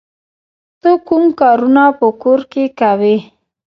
ته کوم کارونه په کور کې کوې؟